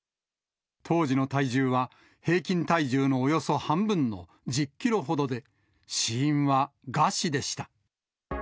当時の体重は、平均体重のおよそ半分の１０キロほどで、死因は餓死でした。